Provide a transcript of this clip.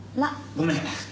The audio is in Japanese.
ごめん。